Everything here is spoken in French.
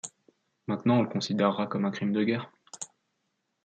Maintenant on le considérera comme un crime de guerre.